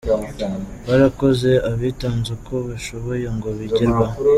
Barakoze abitanze uko bashoboye ngo bigerweho.